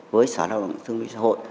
với sở đạo đồng thương minh xã hội